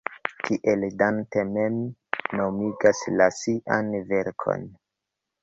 Tiel Dante mem nomigas la sian verkon.